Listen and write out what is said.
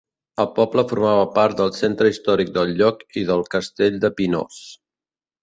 El poble formava part del centre històric del lloc i del castell de Pinós.